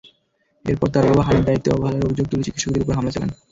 এরপর তার বাবা হানিফ দায়িত্বে অবহেলার অভিযোগ তুলে চিকিৎসকদের ওপর হামলা চালান।